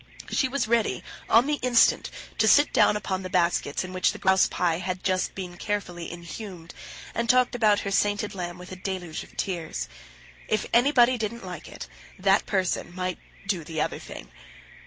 She was ready on the instant to sit down upon the baskets in which the grouse pie had been just carefully inhumed, and talked about her sainted lamb with a deluge of tears. If anybody didn't like it, that person might do the other thing.